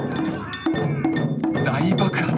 大爆発！